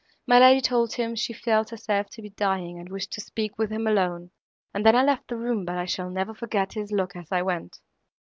My lady told him she felt herself to be dying, and wished to speak with him alone, and then I left the room, but I shall never forget his look as I went."